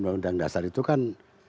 keundang dasar itu kan